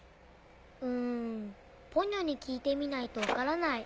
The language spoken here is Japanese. うんポニョに聞いてみないと分からない。